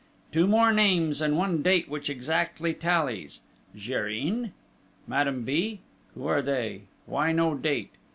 Two more names, and one date which exactly tallies. Gérin?... Madame B....? Who are they? Why no date?